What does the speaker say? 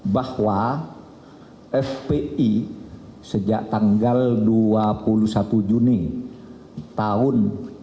bahwa fpi sejak tanggal dua puluh satu juni tahun dua ribu dua puluh